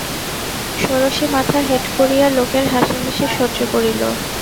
ষোড়শী মাথা হেঁট করিয়া লোকের হাসাহাসি সহ্য করিল।